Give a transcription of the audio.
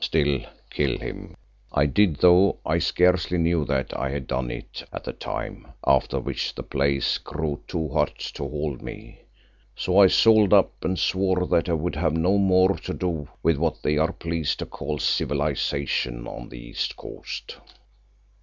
Still, kill him I did though I scarcely knew that I had done it at the time, after which the place grew too hot to hold me. So I sold up and swore that I would have no more to do with what they are pleased to call civilisation on the East Coast.